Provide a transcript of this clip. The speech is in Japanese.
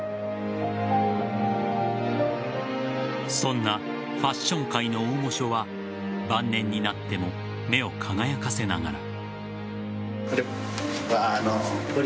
そんなファッション界の大御所は晩年になっても目を輝かせながら。